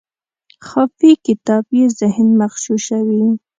خافي کتاب یې ذهن مغشوشوي.